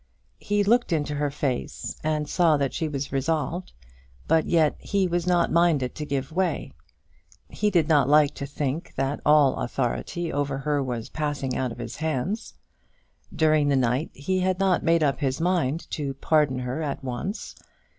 He looked into her face and saw that she was resolved, but yet he was not minded to give way. He did not like to think that all authority over her was passing out of his hands. During the night he had not made up his mind to pardon her at once.